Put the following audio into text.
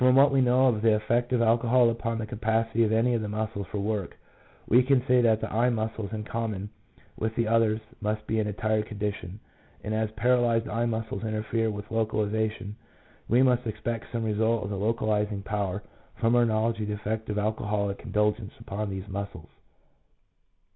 what we know of the effect of alcohol upon the capacity of any of the muscles for work, we can say that the eye muscles in common with the others must be in a tired condition; and as paralyzed eye muscles interfere with localization, we must expect some result on the localizing power, from our knowledge of the effect of alcoholic indulgence upon these muscles.